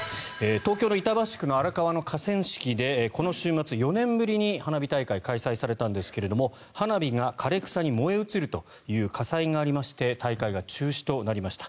東京の板橋区の荒川区の河川敷でこの夏、４年ぶりに花火大会、開催されたんですが花火が枯れ草に燃え移るという火災がありまして大会が中止になりました。